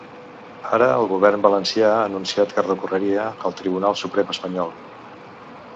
Ara el govern valencià ha anunciat que recorreria al Tribunal Suprem espanyol.